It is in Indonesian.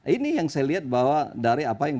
ini yang saya lihat bahwa dari apa yang